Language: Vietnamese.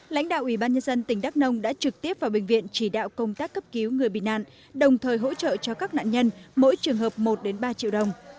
lãnh đạo ủy ban nhân dân tỉnh đắk nông đã trực tiếp vào bệnh viện chỉ đạo công tác cấp cứu người bị nạn đồng thời hỗ trợ cho các nạn nhân mỗi trường hợp một ba triệu đồng